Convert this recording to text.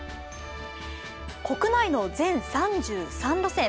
国内の全３３路線。